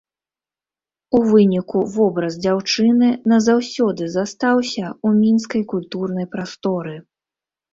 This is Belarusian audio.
У выніку вобраз дзяўчыны назаўсёды застаўся ў мінскай культурнай прасторы.